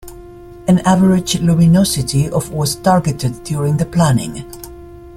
An average luminosity of was targeted during the planning.